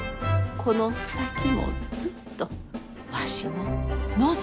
この先もずっとわしの希みじゃ。